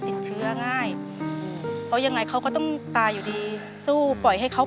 เปลี่ยนเพลงเพลงเก่งของคุณและข้ามผิดได้๑คำ